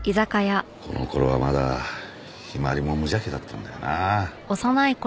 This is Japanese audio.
この頃はまだ陽葵も無邪気だったんだよなあ。